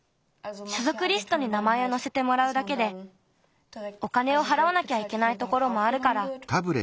しょぞくリストに名まえをのせてもらうだけでお金をはらわなきゃいけないところもあるから。